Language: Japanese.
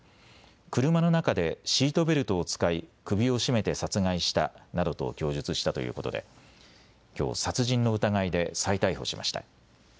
車の中でシートベルトを使い首を絞めて殺害したなどと供述したということできょう殺人の疑いで再逮捕しました。